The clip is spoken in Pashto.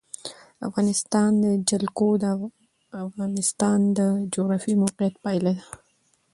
د افغانستان جلکو د افغانستان د جغرافیایي موقیعت پایله ده.